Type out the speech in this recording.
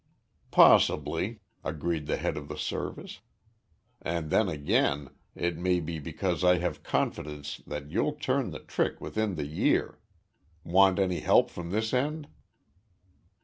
"Possibly," agreed the head of the Service, "and then, again, it may be because I have confidence that you'll turn the trick within the year. Want any help from this end?"